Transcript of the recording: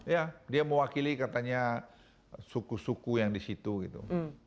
ya dia mewakili katanya suku suku yang di situ gitu